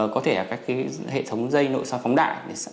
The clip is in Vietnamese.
có thể là các hệ thống dây nội so phóng đại